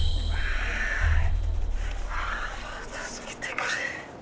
あ助けてくれ。